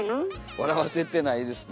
笑わせてないですね。